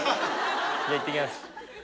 じゃあ行ってきます。